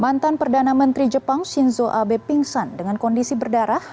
mantan perdana menteri jepang shinzo abe pingsan dengan kondisi berdarah